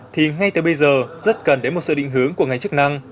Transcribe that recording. thì ngay từ bây giờ rất cần đến một sự định hướng của ngành chức năng